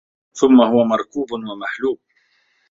ثُمَّ هُوَ مَرْكُوبٌ وَمَحْلُوبٌ